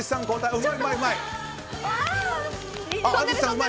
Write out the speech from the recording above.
うまいうまい。